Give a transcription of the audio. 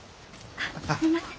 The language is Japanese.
あっすみません。